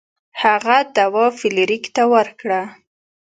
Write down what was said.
هغه دوا فلیریک ته ورکړه.